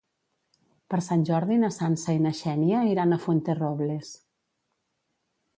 Per Sant Jordi na Sança i na Xènia iran a Fuenterrobles.